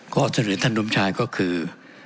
ข้อเสนอท่านสมชายก็คือ